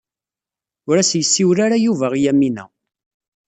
Ur as-yessiwel ara Yuba i Yamina.